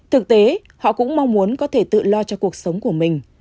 thực tế họ cũng mong muốn có thể tự lo cho cuộc sống của mình